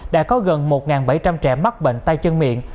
đã có gần một bảy trăm linh trẻ mắc bệnh tay chân miệng